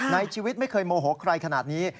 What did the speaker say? ในชีวิตไม่เคยโมโหใครขนาดนี้